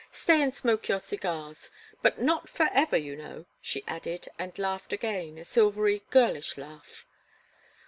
Stay and smoke your cigars but not forever, you know," she added, and laughed again, a silvery, girlish laugh.